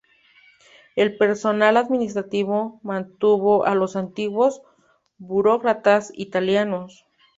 El personal administrativo mantuvo a los antiguos burócratas italianos.